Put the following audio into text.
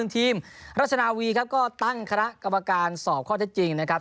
ทีมราชนาวีครับก็ตั้งคณะกรรมการสอบข้อเท็จจริงนะครับ